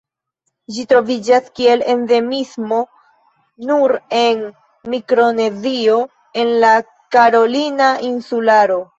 Ĝi troviĝas kiel endemismo nur en Mikronezio en la Karolina insularo.